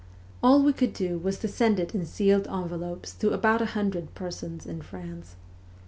All we could do was to send it in sealed envelopes to about a hundred persons in France.